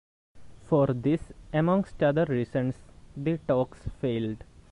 For this, amongst other reasons, the talks failed.